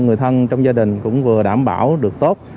người thân trong gia đình cũng vừa đảm bảo được tốt